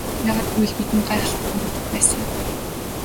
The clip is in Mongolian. Яагаад гэвэл бидэнд гайхалтай хандлага байсан юм.